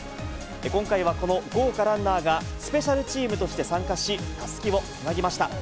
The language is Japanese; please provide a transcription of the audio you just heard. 今回はこの豪華ランナーが、スペシャルチームとして参加し、たすきをつなぎました。